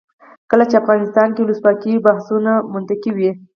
کله چې افغانستان کې ولسواکي وي بحثونه منطقي وي.